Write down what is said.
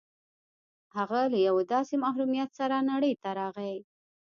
هغه له يوه داسې محروميت سره نړۍ ته راغی.